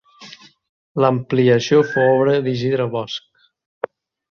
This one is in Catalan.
L'ampliació fou obra d'Isidre Bosch.